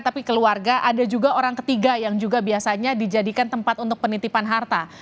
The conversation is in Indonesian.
tapi keluarga ada juga orang ketiga yang juga biasanya dijadikan tempat untuk penitipan harta